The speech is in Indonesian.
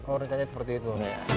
oh rencana seperti itu